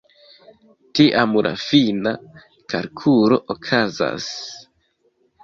Tiam la fina kalkulo okazas.